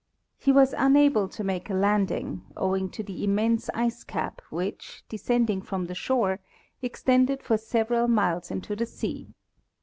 He was unable to make a landing, owing to the immense ice cap which, descending from the shore, extended for several miles into the sea.